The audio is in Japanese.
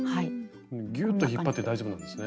ギューッと引っ張って大丈夫なんですね。